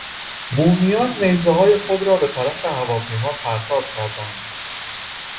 بومیان نیزههای خود را به طرف هواپیما پرتاب کردند.